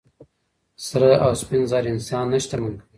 سره او سپین زر انسان نه شتمن کوي.